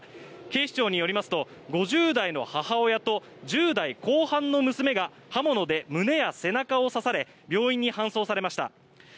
警視庁によりますと５０代の母親と１０代後半の娘が刃物で胸や背中を刺され病院に搬送されました。